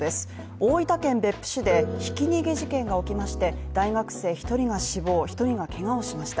大分県別府市でひき逃げ事件が起きまして、大学生１人が死亡、１人がけがをしました。